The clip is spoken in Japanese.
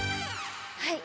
はい。